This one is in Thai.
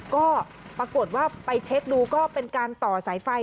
ก็ปรากฏว่าไปเช็คดูก็เป็นการต่อสายไฟ